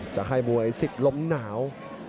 จะให้มวยสิทธิ์ล้มหนาว